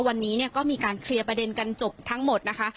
วันนี้เนี่ยก็มีการเคลียร์ประเด็นกันจบทั้งหมดนะคะ